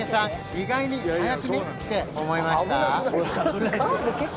意外に速くね？って思いました？